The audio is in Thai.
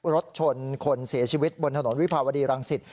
รถชนคนเสียชีวิตบนถนนวิภาวดีรังสิต